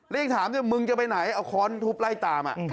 แล้วยังถามด้วยมึงจะไปไหนเอาค้อนทุบไล่ตาม